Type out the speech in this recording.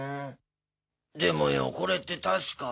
でもよこれって確か。